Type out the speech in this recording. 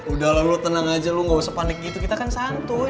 udah lah lo tenang aja lo gak usah panik gitu kita kan santuy